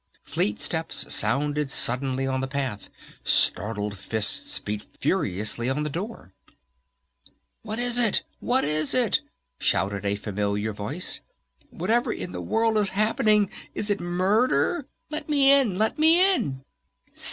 Fleet steps sounded suddenly on the path! Startled fists beat furiously on the door! "What is it? What is it?" shouted a familiar voice. "Whatever in the world is happening? Is it murder? Let me in! _Let me in!